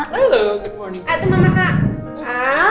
tunggu mama kak